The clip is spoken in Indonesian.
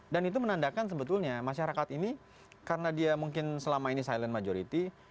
dan itu menandakan sebetulnya masyarakat ini karena dia mungkin selama ini silent majority